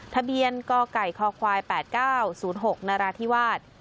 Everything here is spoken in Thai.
ทะเบียนกกค๘๙๐๖นราธิวาส